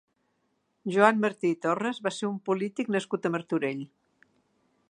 Joan Martí i Torres va ser un polític nascut a Martorell.